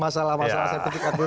masalah masalah sertifikat dulu